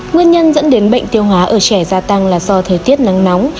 nguyên nhân dẫn đến bệnh tiêu hóa ở trẻ gia tăng là do thời tiết nắng nóng